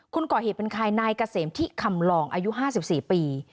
คุณก่อเหตุเป็นใครนายกะเสมที่คำลองอายุห้าสิบสี่ปี